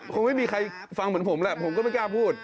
คงไม่มีใครฟังเหมือนผมแหละผมก็ไม่กล้าพูด